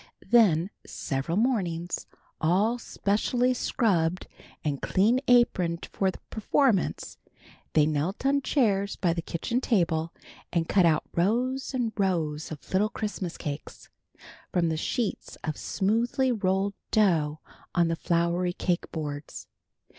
Then several mornings, all specially scrubbed and clean aproned for the performance, they knelt on chairs by the kitchen table, and cut out rows and rows of little Christmas cakes, from the sheets of smoothly rolled dough on the floury cake boards.